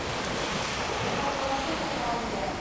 He was arrested the following day.